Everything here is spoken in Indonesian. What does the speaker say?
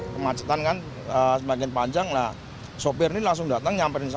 kemacetan kan semakin panjang lah sopir ini langsung datang nyamperin saya